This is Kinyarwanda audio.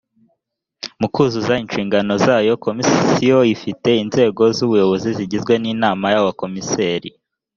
mu kuzuza inshingano zayo komisiyo ifite inzego z’ubuyobozi zigizwe n’inama y abakomiseri